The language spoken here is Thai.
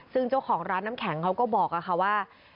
ซึ่งเจ้าของร้านน้ำแข็งเขาก็บอกค่ะว่า